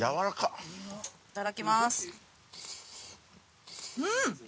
いただきます。